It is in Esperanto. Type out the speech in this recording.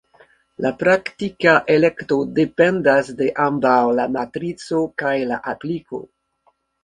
La praktika elekto dependas de ambaŭ la matrico kaj la apliko.